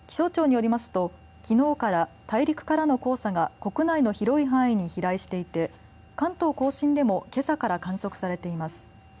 気象庁によりますときのうから大陸からの黄砂が国内の広い範囲に飛来していて関東甲信でもけさから観測されています。